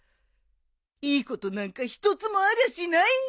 いいことなんか一つもありゃしないんだ！